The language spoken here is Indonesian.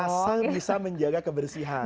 asal bisa menjaga kebersihan